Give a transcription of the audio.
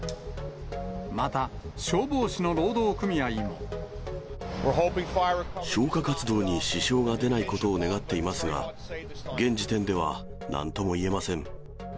また、消火活動に支障が出ないことを願っていますが、現時点ではなんともいえません。